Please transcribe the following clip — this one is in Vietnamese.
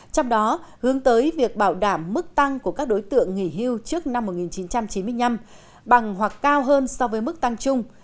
trong đó hướng tới việc bảo đảm mức tăng của các đối tượng nghỉ hưu trước năm một nghìn chín trăm chín mươi năm bằng hoặc cao hơn so với mức tăng trung